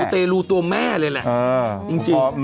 มูเตลูตัวแม่เลยแหละ